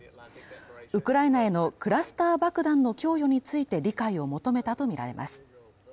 ウクライナへのクラスター爆弾の供与について理解を求めたとみられます。